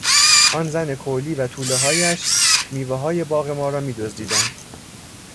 آن زن کولی و تولههایش میوههای باغ ما را میدزدیدند.